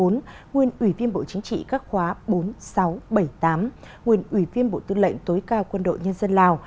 nguyên ủy viên bộ chính trị các khóa bốn sáu bảy tám nguyên ủy viên bộ tư lệnh tối cao quân đội nhân dân lào